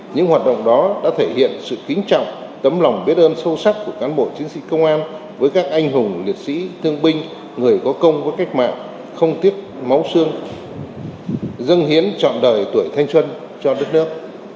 những hoạt động đó đã thể hiện sự kính trọng tấm lòng biết ơn sâu sắc của cán bộ chiến sĩ công an với các anh hùng liệt sĩ thương binh người có công với cách mạng không tiếc máu xương hiến chọn đời tuổi thanh xuân cho đất nước